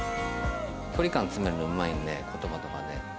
距離感詰めるのうまいので言葉とかで。